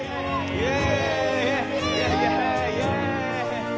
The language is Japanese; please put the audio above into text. イエイ！